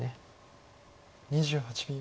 ２８秒。